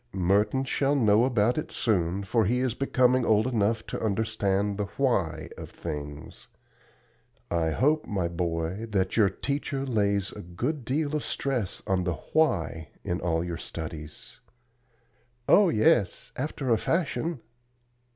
Merton shall know about it soon, for he is becoming old enough to understand the 'why' of things. I hope, my boy, that your teacher lays a good deal of stress on the WHY in all your studies." "Oh, yes, after a fashion."